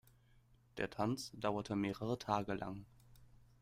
Der Tanz dauerte mehrere Tage lang.